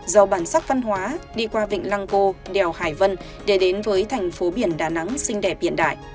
giàu bản sắc văn hóa đi qua vịnh lăng cô đèo hải vân để đến với thành phố biển đà nẵng xinh đẹp hiện đại